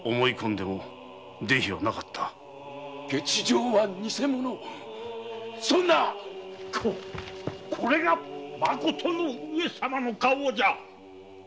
下知状は偽物そんなこれがまことの上様の花押じゃ。